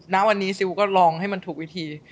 ณวันนี้ซิลก็ลองให้มันถูกวิธี